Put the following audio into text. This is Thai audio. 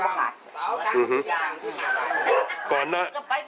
ปลอดภัณฑ์ก็จะมีส้างและจะมีฝีนชีวิต